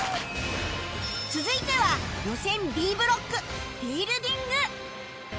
続いては予選 Ｂ ブロックフィールディング